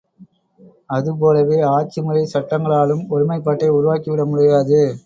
அது போலவே ஆட்சிமுறைச் சட்டங்களாலும் ஒருமைப்பாட்டை உருவாக்கி விடமுடியாது.